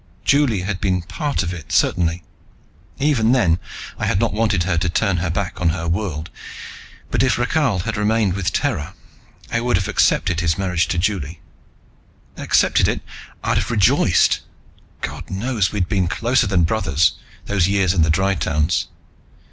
Juli had been part of it, certainly. Even then I had not wanted her to turn her back on her world, but if Rakhal had remained with Terra, I would have accepted his marriage to Juli. Accepted it. I'd have rejoiced. God knows we had been closer than brothers, those years in the Dry towns.